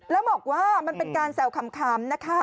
แล้วบอกว่ามันเป็นการแซวขำนะคะ